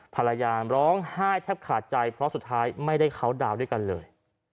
ภรรยาร้องไห้แทบขาดใจเพราะสุดท้ายไม่ได้เข้าดาวน์ด้วยกันเลย